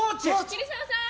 桐沢さん！